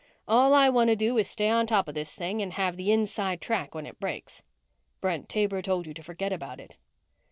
All I want to do is stay on top of this thing and have the inside track when it breaks." "Brent Taber told you to forget about it."